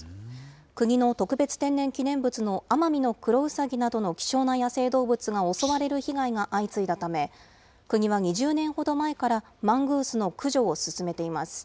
国の特別天然記念物のアマミノクロウサギなどの希少な野生動物が襲われる被害が相次いだため、国は２０年ほど前から、マングースの駆除を進めています。